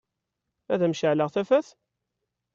Ad m-ceɛleɣ tafat?